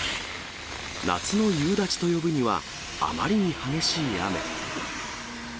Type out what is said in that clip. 夏の夕立と呼ぶには、あまりに激しい雨。